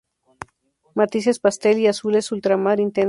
Matices pastel y azules ultramar intensos.